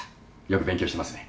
よく勉強してますね。